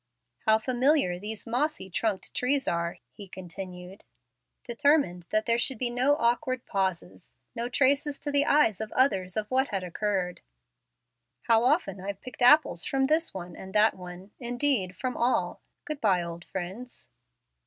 "How familiar these mossy trunked trees are!" he continued, determined that there should be no awkward pauses, no traces to the eyes of others of what had occurred. "How often I've picked apples from this one and that one indeed from all! Good by, old friends."